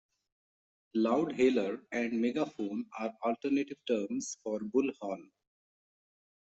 Loudhailer and megaphone are alternative terms for bullhorn